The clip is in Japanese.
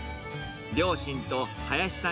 両親と林さん